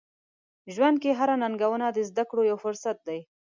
ژوند کې هره ننګونه د زده کړو یو فرصت دی.